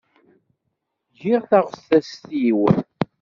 Giɣ taɣtest-iw.